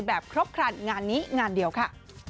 แบบครบครันงานนี้งานเดียวค่ะ